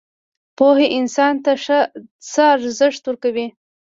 پوهه انسان ته څه ارزښت ورکوي؟